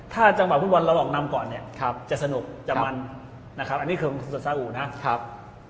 ถ้าจังบะฟุนบอลเราหลอกนำก่อนจะสนุกจะมันนะครับ